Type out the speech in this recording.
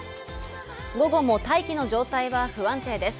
午後も大気の状態は不安定です。